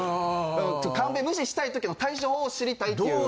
カンペ無視したい時の対処法を知りたいっていう。